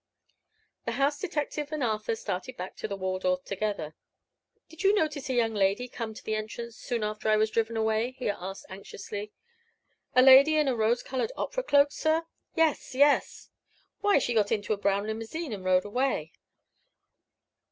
The house detective and Arthur started back to the Waldorf together. "Did you notice a young lady come to the entrance, soon after I was driven away?" he asked, anxiously. "A lady in a rose colored opera cloak, sir?" "Yes! yes!" "Why, she got into a brown limousine and rode away."